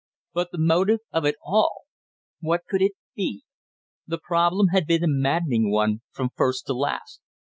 But the motive of it all what could it be? The problem had been a maddening one from first to last.